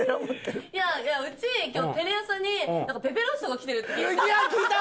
うち今日テレ朝にペペロッソが来てるって聞いて。